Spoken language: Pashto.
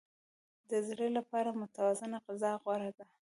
د زړه لپاره متوازنه غذا غوره ده.